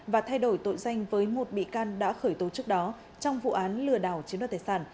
và thay đổi tội danh với một bị can đã khởi tố trước đó trong vụ án lừa đảo chiếm đoạt tài sản